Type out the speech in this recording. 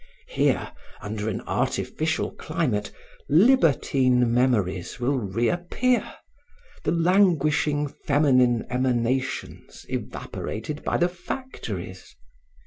Here, under an artificial climate, libertine memories will reappear, the languishing feminine emanations evaporated by the factories.